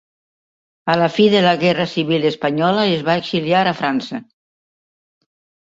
A la fi de la guerra civil espanyola es va exiliar a França.